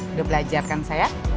udah belajar kan sayang